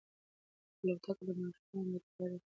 الوتکه د ماښام په تیاره کې لندن ته ورسېده.